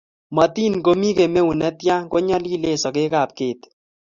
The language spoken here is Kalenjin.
Matiny komi kemeut netya konyalilen sagek ap keti.